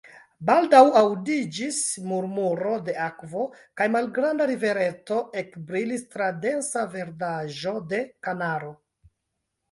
Baldaŭ aŭdiĝis murmuro de akvo, kaj malgranda rivereto ekbrilis tra densa verdaĵo de kanaro.